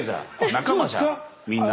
仲間じゃみんな。